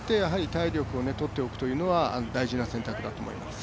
体力をとっておくというのは大事な選択だと思います。